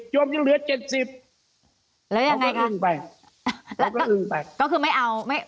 โยมที่เหลือ๗๐สิแล้วยังไงมันไปก็ไปแล้วคือไม่เอาไหม